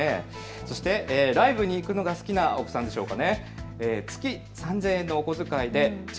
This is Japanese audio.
ライブに行くのが好きなお子さんでしょうか。